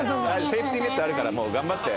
セーフティーネットあるから頑張って。